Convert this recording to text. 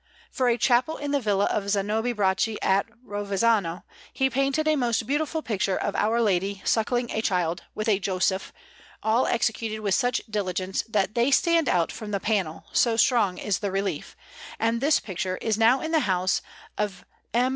For a chapel in the villa of Zanobi Bracci at Rovezzano, he painted a most beautiful picture of Our Lady suckling a Child, with a Joseph, all executed with such diligence that they stand out from the panel, so strong is the relief; and this picture is now in the house of M.